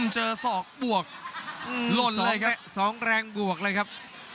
เจอสอกบวกสองแรงบวกเลยครับ